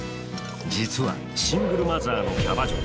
実はシングルマザーのキャバ嬢。